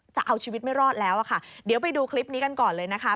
จะเอาชีวิตไม่รอดแล้วอะค่ะเดี๋ยวไปดูคลิปนี้กันก่อนเลยนะคะ